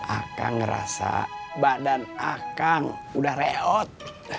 akang ngerasa badan akang udah reot